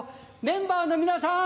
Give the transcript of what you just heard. メンバーの皆さん